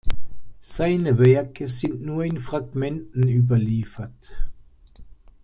Seine Werke sind nur in Fragmenten überliefert.